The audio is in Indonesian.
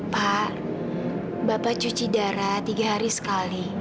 pak bapak cuci darah tiga hari sekali